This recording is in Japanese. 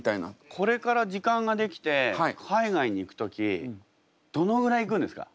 これから時間ができて海外に行く時どのぐらい行くんですか？